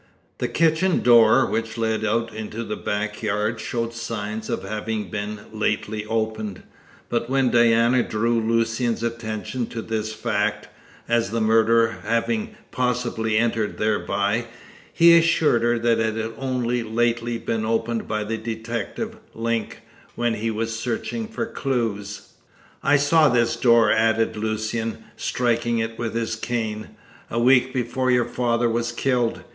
The kitchen door, which led out into the back yard, showed signs of having been lately opened; but when Diana drew Lucian's attention to this fact, as the murderer having possibly entered thereby, he assured her that it had only lately been opened by the detective, Link, when he was searching for clues. "I saw this door," added Lucian, striking it with his cane, "a week before your father was killed.